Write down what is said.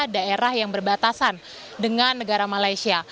daerah yang berbatasan dengan negara malaysia